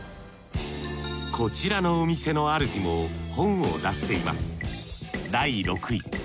こちらのお店のあるじも本を出しています